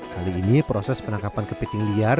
kali ini proses penangkapan kepiting liar